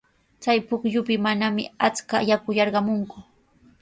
Chay pukyupita manami achka yaku yarqamunku.